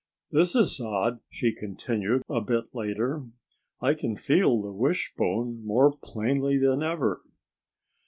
"This is odd!" she continued a bit later. "I can feel the wishbone more plainly than ever."